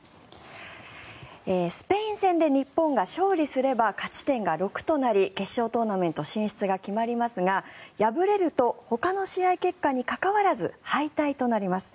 スペイン戦で日本が勝利すれば勝ち点が６となり決勝トーナメント進出が決まりますが敗れるとほかの試合結果に関わらず敗退となります。